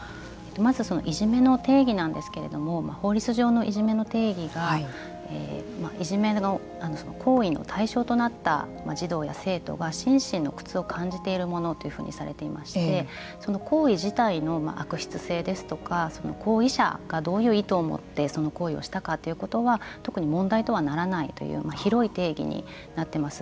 まず、いじめの定義なんですけれども法律上のいじめの定義がいじめの行為の対象となった児童や生徒が心身の苦痛を感じているものというふうにされていましてその行為自体の悪質性ですとかその行為者がどういう意図を持ってその行為をしたかということは特に問題とはならないという広い定義になっています。